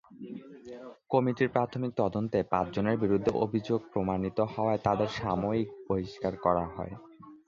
কমিটির প্রাথমিক তদন্তে পাঁচজনের বিরুদ্ধে অভিযোগ প্রমাণিত হওয়ায় তাঁদের সাময়িক বহিষ্কার করা হয়।